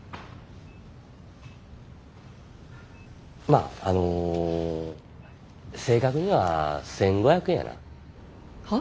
まああの正確には１，５００円やな。は？